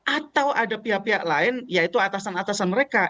atau ada pihak pihak lain yaitu atasan atasan mereka